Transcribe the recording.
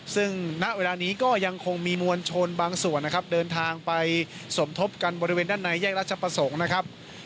ซึ่งณเวลานี้ก็ยังคงมีมวลชนบางส่วนนะครับเดินทางไปสมทบกันบริเวณด้านในแยกราชประสงค์นะครับ